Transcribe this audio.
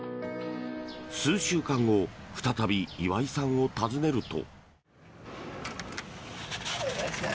数週間後再び岩井さんを訪ねると。